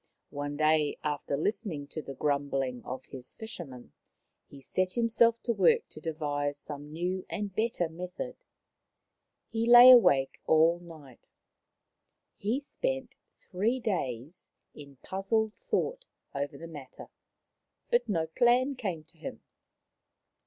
One day, after listening to the grumbling of his fishermen, he set himself to work to devise some new and better method. He lay awake all night ; he spent three days in puzzled thought over the matter, but no plan came to him.